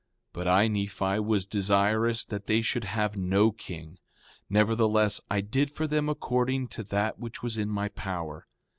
But I, Nephi, was desirous that they should have no king; nevertheless, I did for them according to that which was in my power.